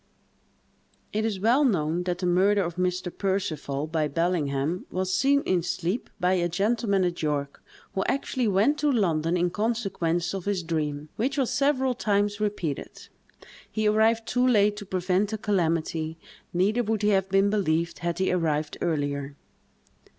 It is well known that the murder of Mr. Percival, by Bellingham, was seen in sleep by a gentleman at York, who actually went to London in consequence of his dream, which was several times repeated. He arrived too late to prevent the calamity; neither would he have been believed, had he arrived earlier.